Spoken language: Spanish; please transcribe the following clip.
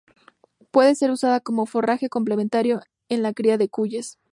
Puede ser usada como forraje complementario en la cría de cuyes.